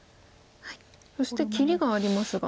そして切りがありますが。